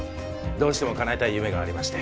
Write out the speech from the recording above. どうしても叶えたい夢がありまして。